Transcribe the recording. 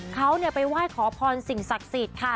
เขาไปไหว้ขอพรสิ่งศักดิ์สิทธิ์ค่ะ